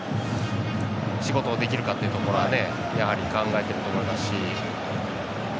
仕事できるかっていうところはやはり考えていると思いますし。